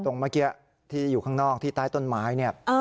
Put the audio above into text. เมื่อกี้ที่อยู่ข้างนอกที่ใต้ต้นไม้เนี่ย